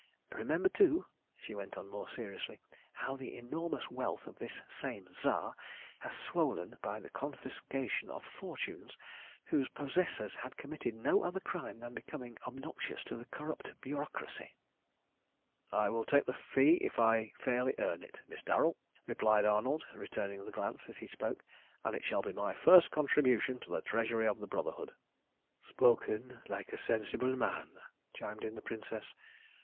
Remember, too," she went on more seriously, "how the enormous wealth of this same Tsar has swollen by the confiscation of fortunes whose possessors had committed no other crime than becoming obnoxious to the corrupt bureaucracy." "I will take the fee if I fairly earn it, Miss Darrel," replied Arnold, returning the glance as he spoke, "and it shall be my first contribution to the treasury of the Brotherhood." "Spoken like a sensible man," chimed in the Princess.